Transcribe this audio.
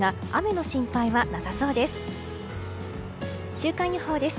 週間予報です。